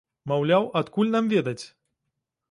Маўляў, адкуль нам ведаць?